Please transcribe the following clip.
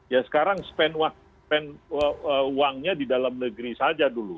ya sekarang spend uangnya di dalam negeri saja dulu